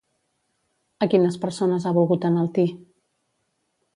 A quines persones ha volgut enaltir?